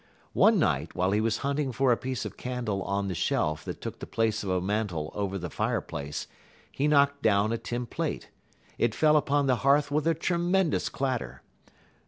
One night while he was hunting for a piece of candle on the shelf that took the place of a mantel over the fireplace, he knocked down a tin plate. It fell upon the hearth with a tremendous clatter.